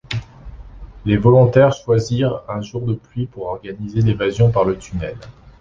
Les volontaires choisirent un jour de pluie pour organiser l'évasion par le tunnel.